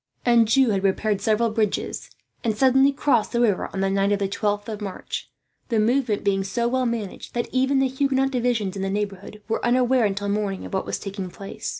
Anjou had prepared several bridges, and suddenly crossed the river on the night of the 12th of March; the movement being so well managed that even the Huguenot divisions in the neighbourhood were unaware, until morning, of what was taking place.